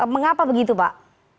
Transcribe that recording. mengapa begitu pak